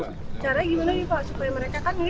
caranya gimana pak supaya mereka kan ini